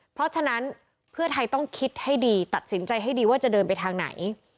เพราะฉะนั้นเพื่อไทยต้องคิดให้ดีตัดสินใจให้ดีว่าจะเดินไปทางไหน